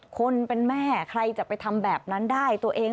คนเป็นแม่ใครจะไปทำแบบนั้นได้ตัวเอง